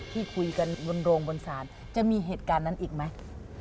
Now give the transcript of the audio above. ที่คุยกันบนโรงบนศาลจะมีเหตุการณ์นั้นอีกไหม